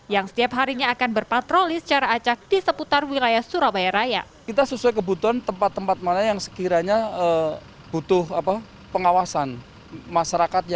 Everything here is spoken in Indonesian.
yang setiap harinya akan berpatroli secara acak di seputar wilayah surabaya raya